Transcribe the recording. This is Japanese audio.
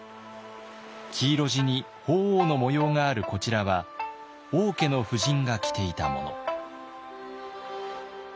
黄色地に鳳凰の模様があるこちらは王家の婦人が着ていたもの。